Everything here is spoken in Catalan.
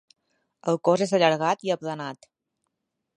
El cos és allargat i aplanat.